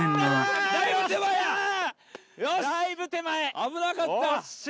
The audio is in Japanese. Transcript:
危なかった。